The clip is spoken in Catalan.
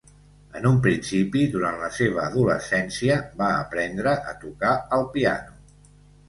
En un principi, durant la seva adolescència, va aprendre a tocar el piano.